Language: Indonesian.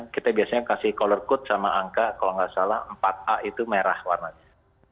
kita biasanya kasih color code sama angka kalau nggak salah empat a itu merah warnanya